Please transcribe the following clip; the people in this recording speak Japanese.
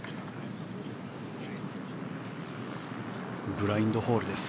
ブラインドホールです。